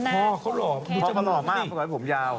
พ่อเขาหล่อมาก